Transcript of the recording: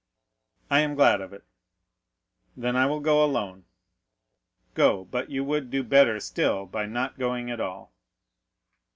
"I am glad of it." "Then I will go alone." "Go; but you would do better still by not going at all."